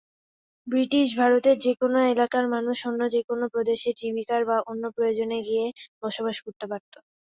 British ভারতের যে কোনো এলাকার মানুষ অন্য যে কোনো প্রদেশে জীবিকার বা অন্য প্রয়োজনে গিয়ে বসবাস করতে পারতো।